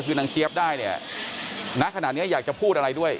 คือนางเจี๊ยบได้เนี่ยณขณะนี้อยากจะพูดอะไรด้วย